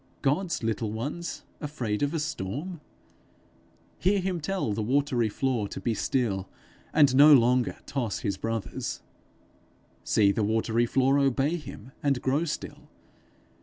God's little ones afraid of a storm! Hear him tell the watery floor to be still, and no longer toss his brothers! see the watery floor obey him and grow still!